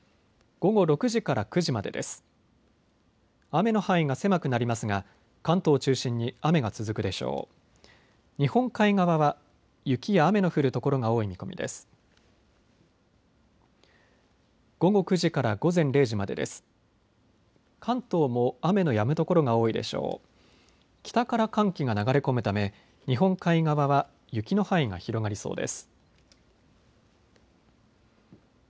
午後９時から午前０時までです。